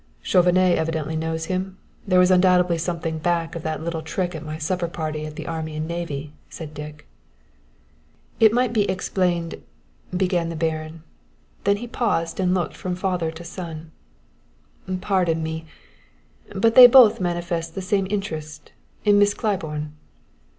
"Chauvenet evidently knows him; there was undoubtedly something back of that little trick at my supper party at the Army and Navy," said Dick. "It might be explained " began the Baron; then he paused and looked from father to son. "Pardon me, but they both manifest some interest in Miss Claiborne."